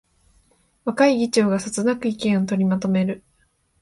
若い議長がそつなく意見を取りまとめる